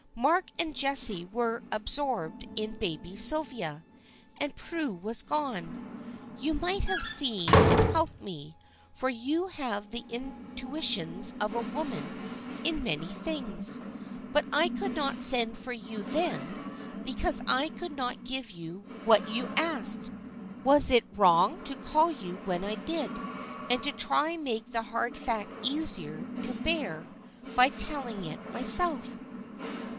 Mark and Jessie were absorbed in baby Sylvia, and Prue was gone. You might have seen and helped me, for you have the intuitions of a woman in many things, but I could not send for you then because I could not give you what you asked. Was it wrong to call you when I did, and try to make the hard fact easier to bear by telling it myself?"